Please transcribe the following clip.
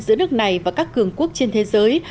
giữa nước này và các cường quốc trên thế giới